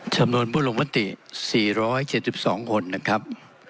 สำนวนผู้ลงประติสี่ร้อยเจ็ดสิบสองคนนะครับ